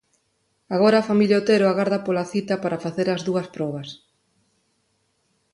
Agora a familia Otero agarda pola cita para facer as dúas probas.